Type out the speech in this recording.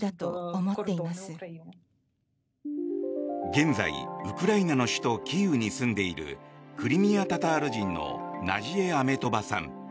現在、ウクライナの首都キーウに住んでいるクリミア・タタール人のナジエ・アメトバさん。